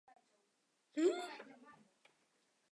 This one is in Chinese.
她紧张的扶住她